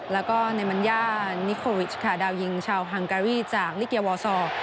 แล้วก็ในมัญญานิโควิชค่ะดาวยิงชาวฮังการีจากลิเกียวอลซอร์